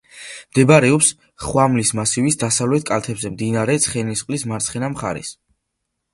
მდებარეობს ხვამლის მასივის დასავლეთ კალთაზე, მდინარე ცხენისწყლის მარცხენა მხარეს.